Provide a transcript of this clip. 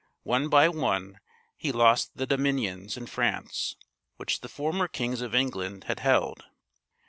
One by one he lost the dominions in France which the former kings of England had held.